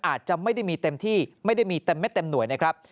อาจจะไม่ได้มีเต็มที่ไม่ได้มีเต็มเม็ดเต็มหน่วยนะครับ